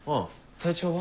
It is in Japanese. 体調は？